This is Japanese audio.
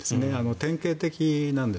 典型的なんです。